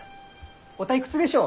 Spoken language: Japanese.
お退屈でしょう？